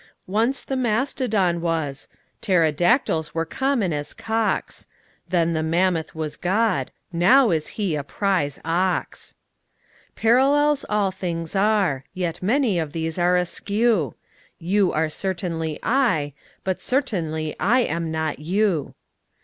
Once the mastodon was: pterodactyls were common as cocks: Then the mammoth was God: now is He a prize ox. Parallels all things are: yet many of these are askew: You are certainly I: but certainly I am not you.